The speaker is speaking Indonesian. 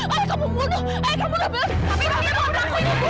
ayah kamu membunuh ayah kamu dapet tapi panggil panggung aku ini bu